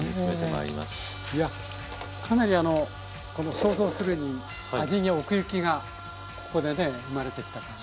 いやかなりあのこの想像するに味に奥行きがここでね生まれてきた感じが。